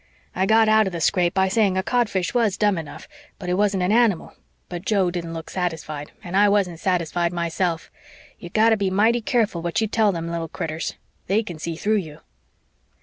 I got out of the scrape by saying a codfish was dumb enough but it wasn't an animal, but Joe didn't look satisfied, and I wasn't satisfied myself. You've got to be mighty careful what you tell them little critters. THEY can see through you."